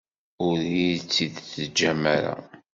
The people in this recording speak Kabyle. Ur iyi-tt-id-teǧǧam ara.